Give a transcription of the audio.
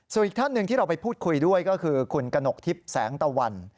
ส่วนอีกท่านหนึ่งที่เราไปพูดคุยด้วยก็คือคุณกนกทิพย์แสงตะวัน